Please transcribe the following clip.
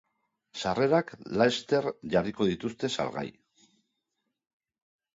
Sarrerak laster jarriko dituzte salgai.